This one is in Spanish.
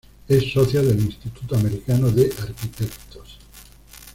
Es Socia del Instituto americano de Arquitectos.